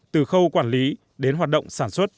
từ khâu quản lý đến hoạt động sản xuất